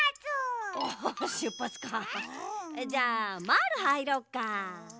じゃあまぁるはいろうか。